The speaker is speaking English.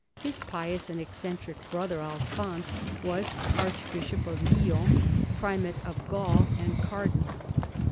His pious and eccentric brother, Alphonse, was Archbishop of Lyons, Primate of Gaul, and Cardinal.